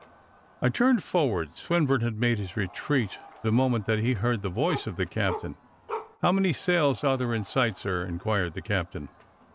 I turned forward. Swinburne had made his retreat the moment that he heard the voice of the captain. "How many sails are there in sight, sir?" inquired the captain.